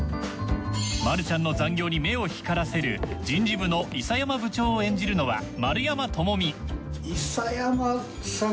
まるちゃんの残業に目を光らせる人事部の諌山部長を演じるのは。